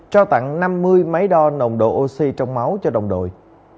trao tặng năm mươi máy đo nồng độ oxy trong máu cho đồng đội